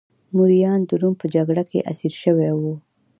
مریان د روم په جګړه کې اسیر شوي وو